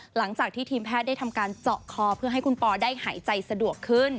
หลังจากที่ทีมแพทย์ได้ทำการเจาะคอเพื่อให้คุณปอได้หายใจสะดวกขึ้น